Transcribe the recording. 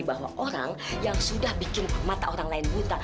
bahwa orang yang sudah bikin mata orang lain buta